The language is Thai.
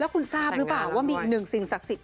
คุณทราบหรือเปล่าว่ามีอีกหนึ่งสิ่งศักดิ์สิทธิ